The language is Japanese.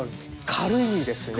軽いんですね。